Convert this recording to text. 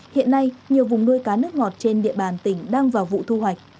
hiện nay nhiều vùng nuôi cá nước ngọt trên địa bàn tỉnh đang vào vụ thu hoạch